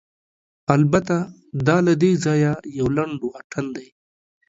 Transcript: البته، دا له دې ځایه یو لنډ واټن دی.